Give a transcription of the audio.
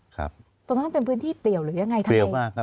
ค่ะตรงนั้นเป็นพื้นที่เปรียวหรือยังไงทำไม